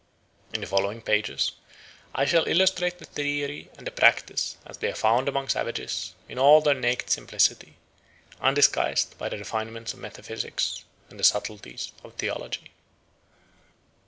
In the following pages I shall illustrate the theory and the practice as they are found among savages in all their naked simplicity, undisguised by the refinements of metaphysics and the subtleties of theology.